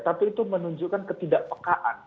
tapi itu menunjukkan ketidakpekaan